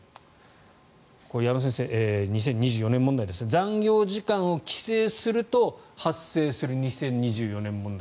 矢野先生、２０２４年問題ですが残業時間を規制すると発生する２０２４年問題。